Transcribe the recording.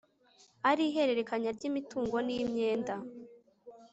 ari ihererekanya ry imitungo n imyenda